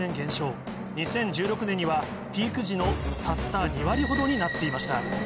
２０１６年にはピーク時のたった２割ほどになっていました。